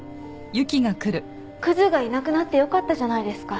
クズがいなくなってよかったじゃないですか。